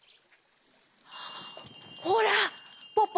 ほらポポ